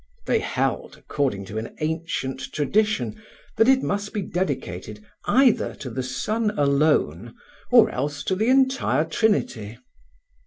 They held, according to an ancient tradition, that it must be dedicated either to the Son alone or else to the entire Trinity.